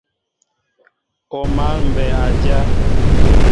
O máál mbɛy a dyá.